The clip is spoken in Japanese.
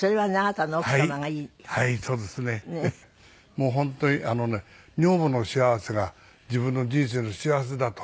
もう本当にあのね女房の幸せが自分の人生の幸せだと。